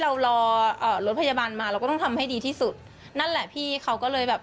เรารอเอ่อรถพยาบาลมาเราก็ต้องทำให้ดีที่สุดนั่นแหละพี่เขาก็เลยแบบ